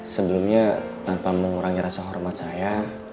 sebelumnya tanpa mengurangi rasa hormat saya